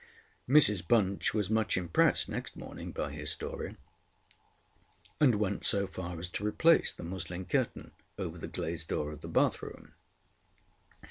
Mrs Bunch was much impressed next morning by his story, and went so far as to replace the muslin curtain over the glazed door of the bathroom.